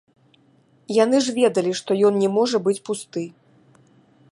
Яны ж ведалі, што ён не можа быць пусты.